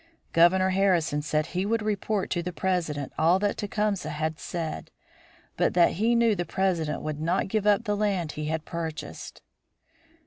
Governor Harrison said he would report to the President all that Tecumseh had said, but that he knew the President would not give up the land he had purchased.